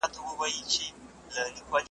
ده دوه نوي راغلي ایمیلونه په پوره غور وکتل.